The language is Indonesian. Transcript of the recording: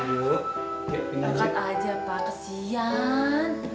cepat aja pak kesian